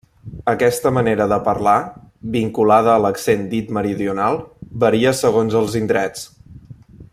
Aquesta manera de parlar, vinculada a l'accent dit meridional, varia segons els indrets.